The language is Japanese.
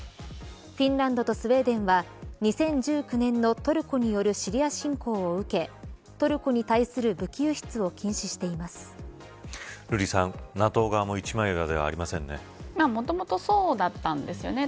フィンランドとスウェーデンは２０１９年のトルコによるシリア侵攻をトルコに対する瑠麗さん、ＮＡＴＯ側ももともとそうだったんですよね。